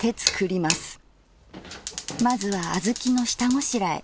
まずは小豆の下ごしらえ。